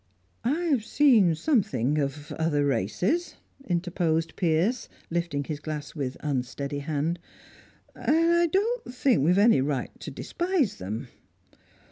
"I've seen something of other races," interposed Piers, lifting his glass with unsteady hand, "and I don't think we've any right to despise them."